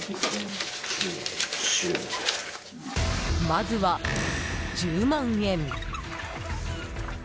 まずは１０万円。